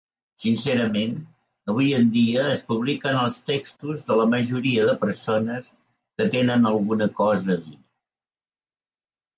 Sincerament, avui en dia es publiquen els textos de la majoria de persones que tenen alguna cosa a dir.